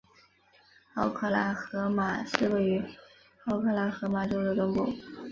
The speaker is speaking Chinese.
奥克拉荷马市位于奥克拉荷马州的中部。